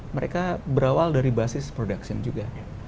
mereka berawal dari basis production juga